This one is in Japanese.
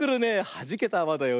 はじけたあわだよ。